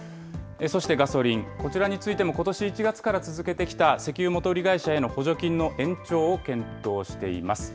そしてガソリン、こちらについてもことし１月から続けてきた石油元売り会社への補助金の延長を検討しています。